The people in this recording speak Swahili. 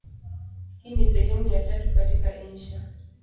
Hii ni sehemu ya tatu katika insha.